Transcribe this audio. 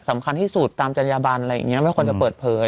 สำคัญที่สุดตามจัญญาบันอะไรอย่างนี้ไม่ควรจะเปิดเผย